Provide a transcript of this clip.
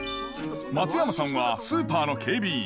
松山さんはスーパーの警備員。